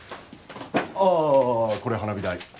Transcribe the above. ああこれ花火代。